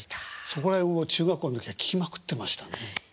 そこら辺を中学校の時は聴きまくってましたね。